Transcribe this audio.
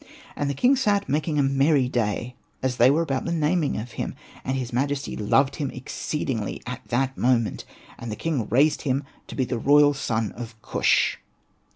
And the king sat making a merry day, as they were about the naming of him, and his majesty loved him exceedingly at that moment, and the king raised him to be the royal son of Kush.